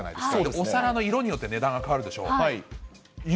お皿の色によって値段が変わるでしょう。